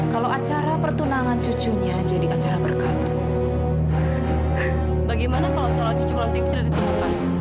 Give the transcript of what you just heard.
kalau acara pertunangan cucunya jadi acara berkabut